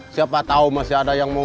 siapa tahu masih ada yang mau